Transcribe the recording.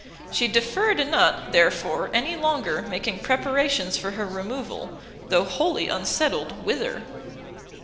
She deferred not, therefore, any longer making preparations for her removal, though wholly unsettled whither.